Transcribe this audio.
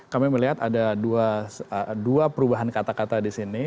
kami melihat ada dua perubahan kata kata di sini